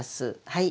はい。